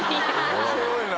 面白いな。